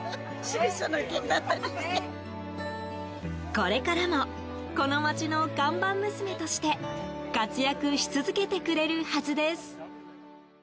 これからもこの町の看板娘として活躍し続けてくれるはずです。